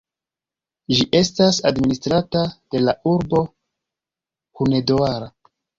Ĝi estas administrata de la urbo Hunedoara.